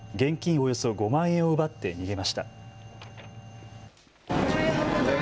およそ５万円を奪って逃げました。